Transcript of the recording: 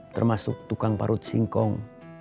termasuk tukang parut singkong